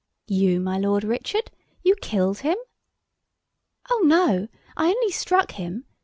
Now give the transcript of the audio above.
"You! my Lord Richard! you killed him?" "Oh, no, I only struck him.